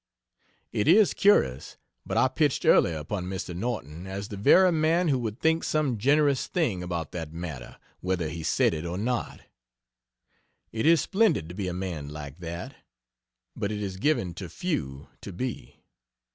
It is curious, but I pitched early upon Mr. Norton as the very man who would think some generous thing about that matter, whether he said it or not. It is splendid to be a man like that but it is given to few to be.